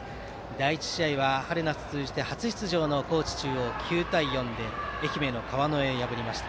第１試合は春夏通じて初出場の高知中央が９対４で愛媛の川之江を破りました。